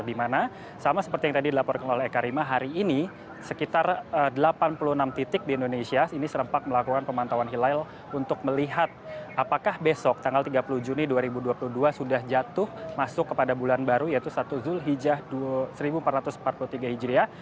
dimana sama seperti yang tadi dilaporkan oleh eka rima hari ini sekitar delapan puluh enam titik di indonesia ini serempak melakukan pemantauan hilal untuk melihat apakah besok tanggal tiga puluh juni dua ribu dua puluh dua sudah jatuh masuk kepada bulan baru yaitu satu zulhijjah seribu empat ratus empat puluh tiga hijriah